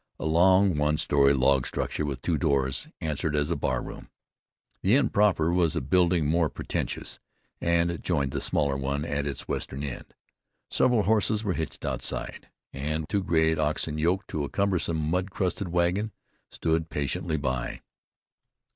A long, one story log structure with two doors, answered as a bar room. The inn proper was a building more pretentious, and joined the smaller one at its western end. Several horses were hitched outside, and two great oxen yoked to a cumbersome mud crusted wagon stood patiently by.